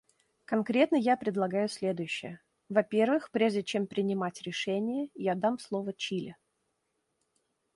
Конкретно я предлагаю следующее: во-первых, прежде чем принимать решение, я дам слово Чили.